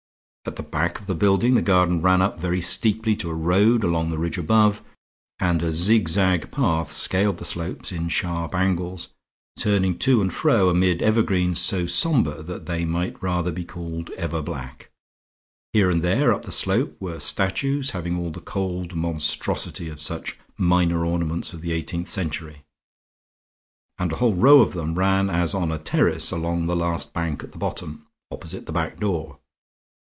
At the back of the building the garden ran up very steeply to a road along the ridge above; and a zigzag path scaled the slope in sharp angles, turning to and fro amid evergreens so somber that they might rather be called everblack. Here and there up the slope were statues having all the cold monstrosity of such minor ornaments of the eighteenth century; and a whole row of them ran as on a terrace along the last bank at the bottom, opposite the back door.